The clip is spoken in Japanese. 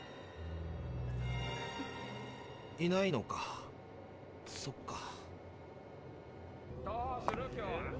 いないのかそっか。